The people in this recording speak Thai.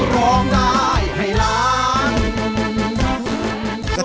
ร้องได้ให้ล้าน